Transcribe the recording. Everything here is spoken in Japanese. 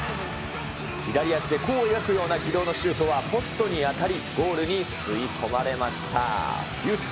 左足で弧を描くような軌道のシュートはポストに当たり、ゴールに吸い込まれました。